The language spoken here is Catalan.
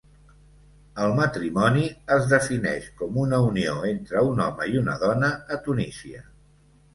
El matrimoni es defineix com una unió entre un home i una dona a Tunísia.